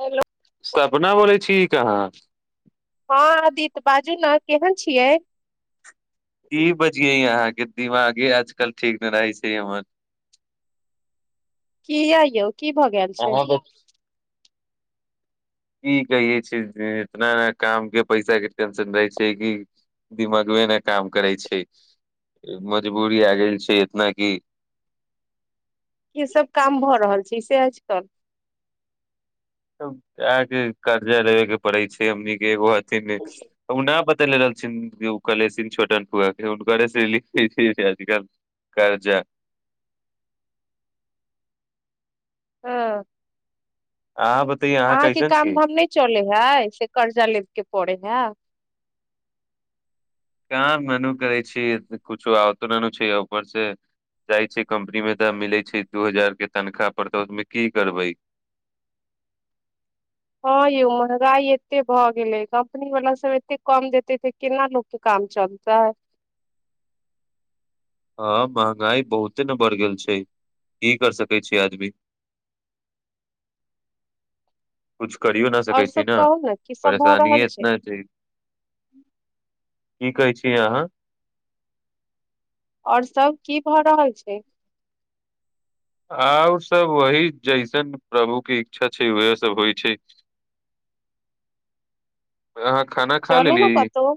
Hello Sapna बोलै छी कि अहाँ हँ आदित्य बाजू ने केहन छियै की बजियै अहांके दिमागे आजकल ठीक नहि रहै छै हमर की यए यौ की भऽ गेल छै अहाँ क कहिे छै इतना ने काम के पैसा के टेंशन रहै छै कि दिमागबे नै काम करै छै मजबूरी आ गेल छै इतना की कि सब काम भऽ रहल छै सेहे छै त अहांके कर्जा रहैके पड़ै छै हमनी के एगो ओना ब त लेे छोट फुआ के हुनकरे आजकल कागजा हँ अहाँ बतैयै अहाँ अहाँके कैसन छी काम धाम नहि चले है से कर्जा लेब के पड़े है काम मेनू करै छी कुछो आत छै ऑफर से जाइ छै कम्पनी मे तऽ मिलै छै दू हजार के तनखाह पर तऽ ओहिमे की करबै हँ यौ महगाई एते भऽ गेलै कम्पनी वाला सभ एतेक कम देते ते केना लोकके काम चलता है हँ महंगाई बहुते ने बढ़ गेल छै की कर सकै छी आदमी कुछ करियो न और सकै छी सब न कहू ने की सब भऽ परेशानी रहल इतना छै की कहै छियै अहाँ आओर सभ की भऽ रहल छै आओर सब वही जैसन प्रभु के इच्छा छै उह सब होइ छै अहाँ खाना खा चलू लेली ने कतहु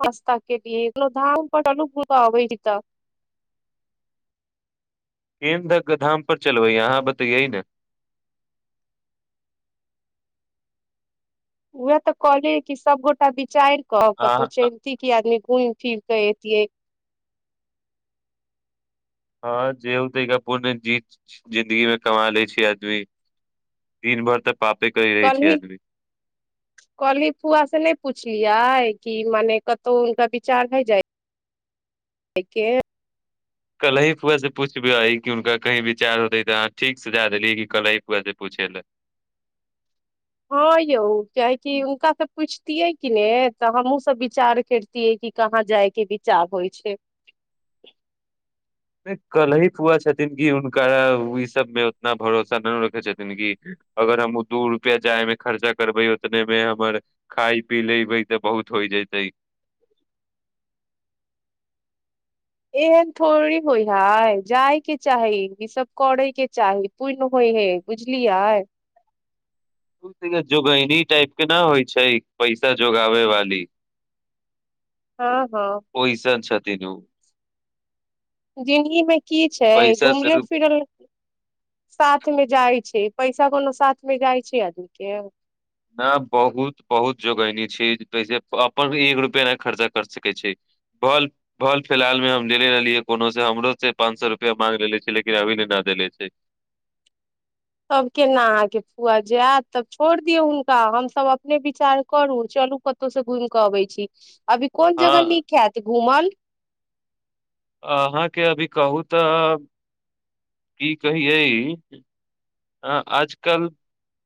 पास्ता कटि एगलो धामपटलु बब ज त केँ धकधाम पर चलबै? एतऽ बताउ ने। उएह तऽ कहलियै कि सबगोटा विचारि क कतहु अहाँ अ- चलती की आदमी पूम ठीक कतै हँ जे होतै पूर्ण जीत जिंन्दगी मे कमा ले छी आदमी दिन भर तक कली काल्हि फुआ सँ नहि पुछलहुँ। इ कि मने कतहु हुनका विचार भय जाय देख काल्हि फुआ सँ पूछब जे हुनका किछु विचार होइतै कि नहि। अहाँ ठीक सँ कहने छी जे काल्हि फुआ सँ पूछबाक लेल। हँ यौ कियकि हुनकासँ पुछतियै कि ने तऽ हमहूँसभ विचार करितियै कि कहाँ जायके विचार होइ छै कलहि फुआ छथिन कि हुनका ई सबमे उतना भरोसा नहि रखै छथिन कि अगर हम दू रुपआ जायमे खर्चा करबै उतने मे हमर खाय पी लेबै तऽ बहुत होइ जतै एहन थोड़े होइ हइ जायके चाही ईसभ करयके चाही पूण होइ हय बुझलियै जोगैनी टाइप के न होइ छै पैसा जोगाबे वाली हँ हँ देलौ जिंदगी मे की छै घुमल से फिरल साथ मे जाइ छै पैसा कोनो साथ मे जाइ छै आदमी के न बहुत बहुत जोगैनी छैैसे अपन एक रुपआ ने खर्चा कर सकै छै फल फिलहालमे हम लेले रहलियै कोनोसँ हमरो से पाँच सए रुपआ माग लेले छै लेकिन अभी ल न देे छै तब केना अहाँके फुआ जायत तब छोड़ दियौ हुनका हमसभ अपने विचार करू चलू कतहु से घुमि कऽ अबै छी अभी कोन जगह हँ नीक हयत घूमल अहाँके अभी कहू तऽ की कहियै ह आजकल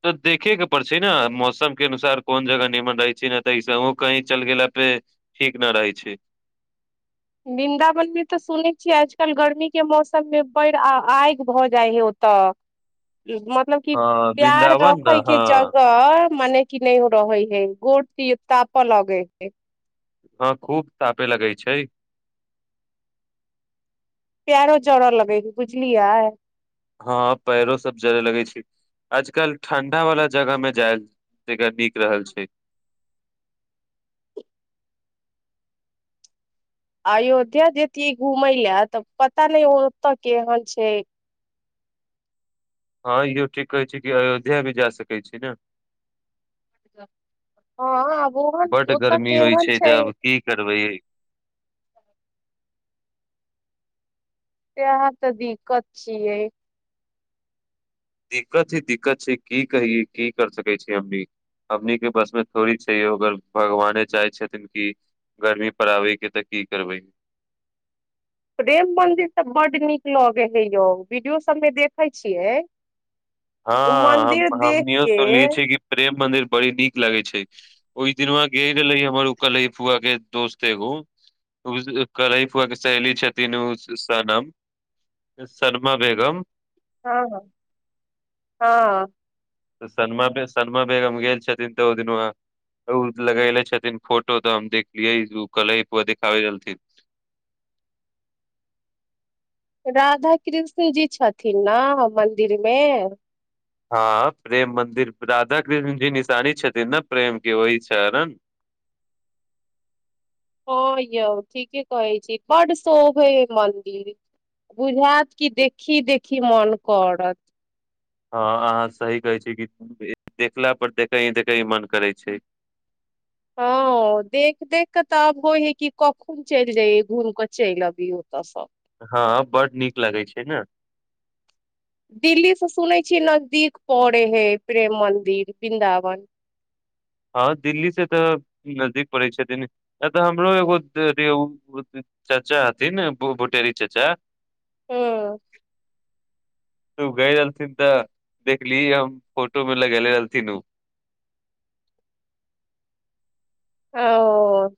तऽ देखयके पड़ छै ने मौसमके अनुसार कोन जगह नीमन रहै छै ने तऽ एहिसँ ओ कहीँ चलि गेलाापे ठीक नहि रहै छै वृन्दावनमे तऽ सुनै छियै आजकल गर्मीके मौसममे बढ़ि आ आगि भऽ जाइ हे ओतय मतलब की हँ पैर वृन्दावन ने रखे हँ के जगह मने की नहि हो रहै है गोर छी ताप लगे है हँ खूब तापे लगै छै पैरों जड़ो लगेग बुझलियै हँ पैरो सब जरय लगै छै आजकल ठंडा वाला जगह मे जाय जग निक रहल छै अयोध्या जातिय घूमय लए तऽ पता नहि ओतऽ केहन छै हँ इहो ठीक कहै छै कि अयोध्या भी जा सकै छी ने हँ आब ओहन बड्ड ओतऽ गर्मी होइत केहन छै जे आब की करबै त अहाँ तऽ दिक्कत छियै दिक्कत ही दिक्कत छै। की कहियै की कर सकै छै। हममनी हममनीके बसमे थोड़ी छै। अगर भगवाने चाहै छथिन कि गर्मी पर आबैके तऽ की करबै प्रेम मन्दिर तऽ बड्ड नीक लगै हे यौ वीडियो सभमे देखै छियै ओ हँ मंदिर देख हमनियो के सुनलिय छिय कि प्रेम मंदिर बड़ी नीक लागे छै ओहि दिन वहाँ गेल गेले हमर ओ कलही फुआ के दोस्त एगो कलह फुआ के सहेली छथिन उ सनम शरमा बेगम हँ हँ त सनमाग सनमा बेग हम गेल छथिन तऽ ओ दिन ओ लगेले छथिन फोटो तऽ हम देखलियै ओ कल ह पूरा देखाबै रहलथिन राधा कृष्ण जी छथिन ने मन्दिरमे हँ प्रेम मन्दिर राधा कृष्ण जी निशानी छथिन ने प्रेम के वहि चण हँ यौ ठीके कहै छी बड शोभ हे मन्दिर बुझायत कि देखी देखी मन करत हँ अहाँ सही कहै छी कि देखला पर देखै ही देखैी मन करै छै हँ देख देख क त अब हो हे क कखन चलि जाय घूम क चलि अबी ओतऽ सब हँ बड नीक लगै छै ने दिल्लीसँ सुनै छियै नजदीक पड़ै हे प्रेम मन्दिर वृन्दावन हँ दिल्ली से तऽ नजदीक पड़ै छथिन ए तऽ हमरो एगो चाचा हथिन भुटेरी चाचा हुं त गय रहलथिन तऽ देखली हम फोटो मे लगेले रहथिन उ ओ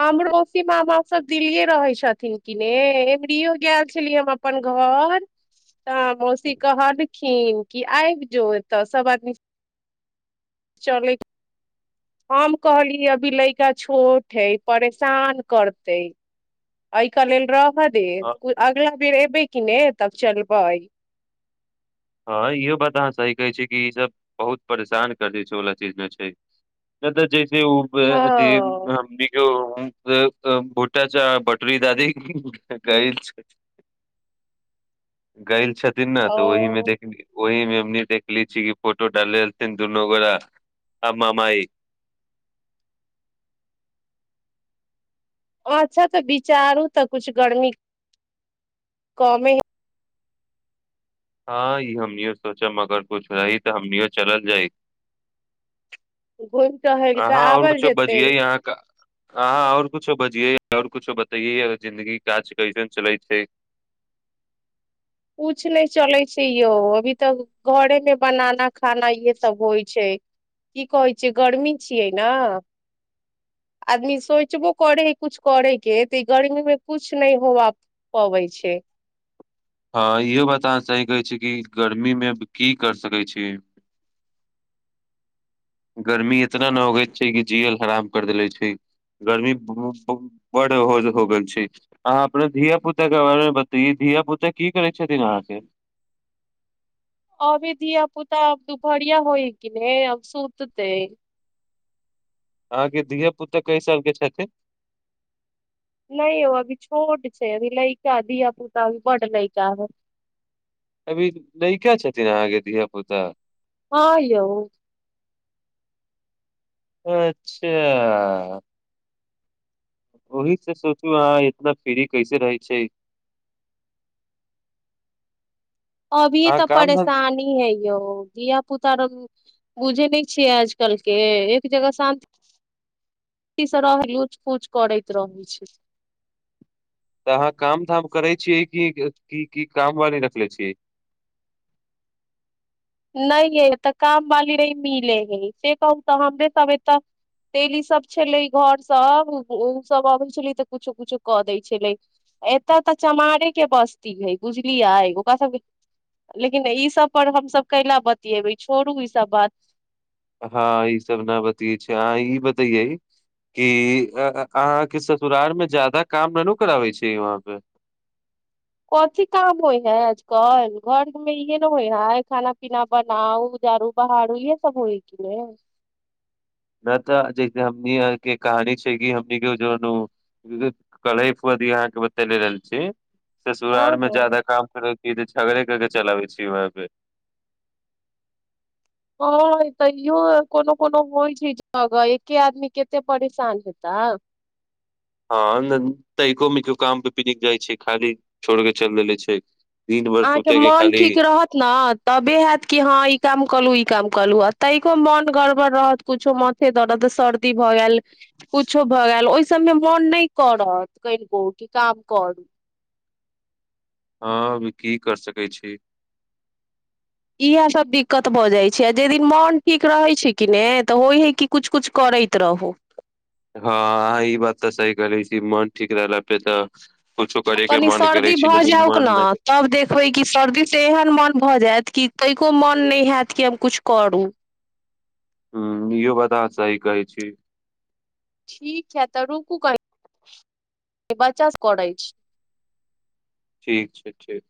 हमरो मौसी मामा सभ दिल्ली रहै छथिन कि ने एमरीयो गेल छलियै हम अपन घर तऽ मौसी कहल कि आबि जो एतऽ सब आदमी चले हम कहलियै अभी लड़का छोट है परेशान करते एहि क लेल रह हँ अगला फेर एबै कि ने तब चलबै हँ इहो बात अहाँ सही कहै छिय कि ईसभ बहुत परेशान कर दै छै ओला चीज मे छै नहि तऽ जे हँ [unintelligible] बोटटा बटरी दादी गइ गइल छथिन न तऽ ओहिमे ओ ओहिमे हमनी देखल छी कि फोटो डालथिन दुनगोरा आ मामाइ अच्छा तऽ बिचारू तऽ कुछ गर्मी कमे ह हँ ई हमनी सोचा मगर कुछ रह तऽ हमनीयो चल जाइ घुमि टहल कऽ अहाँ आओर आबल कुछ जेतै बजियै अहाँ आओर कुछो बजएओर कुछो बतइए जिन्दगी काज कैसन चलै छै किछ नहि चलै छै यौ अभी तऽ घरेमे बनाना खाना इहे सभ होइ छै की कहै छैियै गर्मी छियै ने आदमी सोचबो करै हइ कछु करयके तऽ ई गर्मीमे किछु नहि होबा पबै छै हँ इहो बतान सही कहै छै कि गर्मी मे की कर सकै छी गर्मी इतना न होगैत छै कि जील हराम कर देले छै गर्मी बड़ हो गेल छै अहाँ अपना धिया पुता के बारेमे बतैए धिया पुता की करै छथिन अहाँके आओर भी धिया पुता दुपहरिया होइ की ने आब सुततै अहाँके धिय पुता कई सालके छथिन नै यौ अभी छोट छै अभी लैका धीया पुता अभी बड लैका है अभी लइका छथिन अहाँके धिया पुता हँ यौ अच्छा ओहि से सोचू अहाँ इतना फ्री कैसे रहै छै अभीये अहाँ तऽ काम धाम परेशानी है यौ धिय पुता र बुझे नहि छियै आजकल के एक जगह शान्ति से रह लूच फूच करैत रहै छै तऽ अहाँ काम धाम करै छियै की की की कामवाली रखने छियै नहि हे तऽ काम वाली नहि मिले हे से कहू तऽ हमरे सब एतऽ तेली सब छलै घर सब ओसभ अबै छलै तऽ कुछो कुछो कऽ दै छलै एतय तऽ चमारे के बस्ती हे बुझलियै ओकरा सब लेकिन ई सब पर हमसभ कैला बतिएबै छोड़ू ई सब बात हँ ई सब ने बतिये छै अहाँ ई बतैे कि अहाँके ससुराल मे जादा काम नहि ने कराबै छै वहां पे कथी काम होय है आजकल घरमे इहे ने होय है खाना पीना बनाउ झाड़ू बहारू इहे सब होय गेल नहि तऽ जैसे हमनी के कहानी छै कि हम क अहाँके बतले रहल छी हँ ससुराल में हँ ज्यादा काम करे ई तऽ झगड़े कर के चलाबै छी वहाँ पे हँ तैयो कोनो कोनो होइ छै जगह एक्के आदमी कतेक परेशान हेतय हँ तो काम पे भी नीक जाइ छै खाली छोड़ के चल देले छै दिन भर अहाँके सुते के मोन खाली ठीक रहत ने तबे हैत कि हँ ई काम कऽ लूं ई काम करलू आ तनिको मोन गड़बड़ रहत कुछो माथे दरद सर्दी भऽ गेल कुछो भऽ गेल ओहि सबमे मोन नहि करत कनिको की काम करू हँ अभी की कर सकैत छी इएह सभ दिक्कत भऽ जाइत छै आ जाहि दिन मोन ठीक रहै छै कि नहि तऽ होइ हइ कि किछु किछु करैत रहू हँ अहाँ ई बात तऽ सही कहले छी मन ठीक रहल पे तऽ कुछो आ करे के कनि मन करे सर्दी छी भऽ लेकिन जाउक मन ने तब देखबै कि सर्दीसे एहन मोन भऽ जायत कि कनिको मोन नहि हैत कि हम किछु करू ह इहो बता अहाँ सही कहै छी ठीक है तऽ रुकू कनि [unintelligible] बच्चा सँ करय छी ठीक छै ठीक